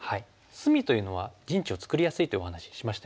隅というのは陣地を作りやすいというお話ししましたよね。